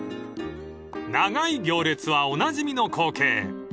［長い行列はおなじみの光景］